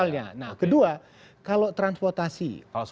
nah kedua kalau transportasi